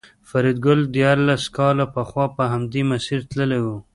فریدګل دیارلس کاله پخوا په همدې مسیر تللی و